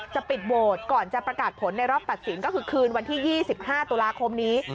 ปิดโหวตก่อนจะประกาศผลในรอบตัดสินก็คือคืนวันที่๒๕ตุลาคมนี้